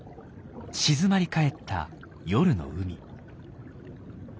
静まりかえった夜の海。